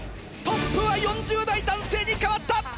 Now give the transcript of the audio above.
トップは４０代男性に変わった！